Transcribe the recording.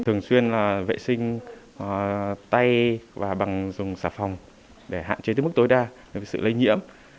thường xuyên là vệ sinh tay và bằng dùng xà phòng để hạn chế tới mức tối đa sự lây nhiễm